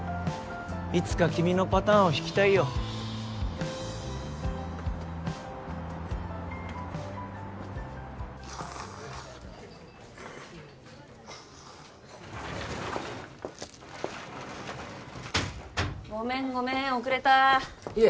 いつか君のパターンを引きたいよごめんごめん遅れたいえ